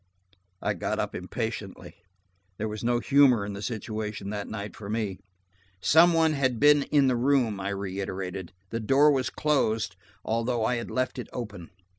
'" I got up impatiently. There was no humor in the situation that night for me. "Some one had been in the room," I reiterated. "The door was closed, although I had left it open."